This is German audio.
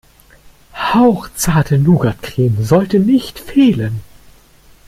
Hauchzarte Nougatcreme sollte nicht fehlen.